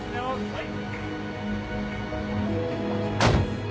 はい。